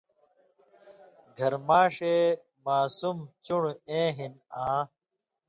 گھریۡماݜے ماسُم (چُن٘ڑ) ایں ہِن آں